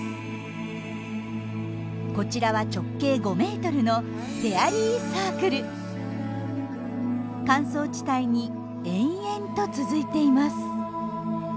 こちらは直径５ｍの乾燥地帯に延々と続いています。